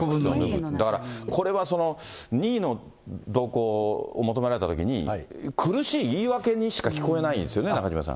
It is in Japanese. だから、これは任意の同行を求められたときに、苦しい言い訳にしか聞こえないんですよね、中島さん。